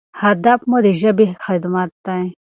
هدف مو د ژبې خدمت دی.